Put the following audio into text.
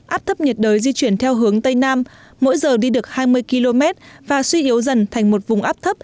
áp thấp nhiệt đới di chuyển theo hướng tây nam mỗi giờ đi được hai mươi km và suy yếu dần thành một vùng áp thấp